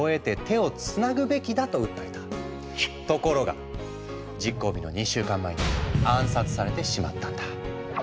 ところが実行日の２週間前に暗殺されてしまったんだ。